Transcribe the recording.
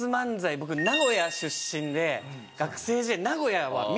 僕名古屋出身で学生時代名古屋は見れたんですよ。